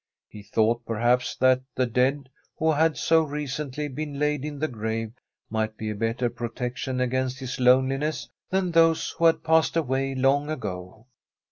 He thought, perhaps, that the dead who had so recently been laid in the grave might be a better protection against his loneliness than those who had passed away long ago.